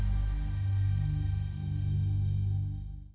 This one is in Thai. ดีดีครับดีดีครับดีดีครับ